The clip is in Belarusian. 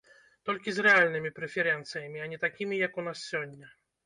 Толькі з рэальнымі прэферэнцыямі, а не такімі, як у нас сёння.